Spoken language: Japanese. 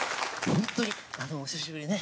ほんとにお久しぶりね。